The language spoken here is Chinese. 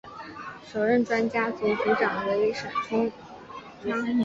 首任专家组组长为闪淳昌。